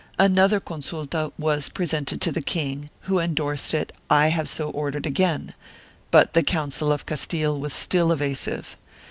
Another consulta was presented to the king, who endorsed it "I have so ordered again/' but the Council of Castile was still evasive.